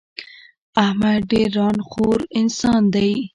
احمد ډېر ًران خور انسان دی.